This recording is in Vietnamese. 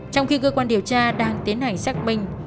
trong khi cơ quan điều tra đang tiến hành xác minh